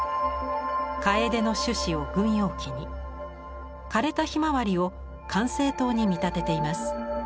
カエデの種子を軍用機に枯れたヒマワリを管制塔に見立てています。